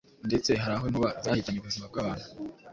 ndetse hari aho inkuba zahitanye ubuzima bw’abantu